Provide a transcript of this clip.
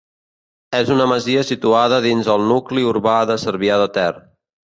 És una masia situada dins del nucli urbà de Cervià de Ter.